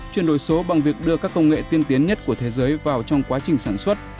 chuyển đổi số bằng việc đưa các công nghệ tiên tiến nhất của thế giới vào trong quá trình sản xuất